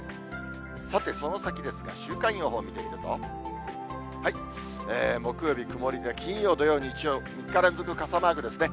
さて、その先ですが、週間予報を見てみると、木曜日曇りで、金曜、土曜、日曜、３日連続傘マークですね。